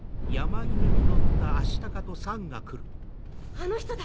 あの人だ！